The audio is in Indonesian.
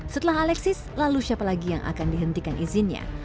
setelah alexis lalu siapa lagi yang akan dihentikan izinnya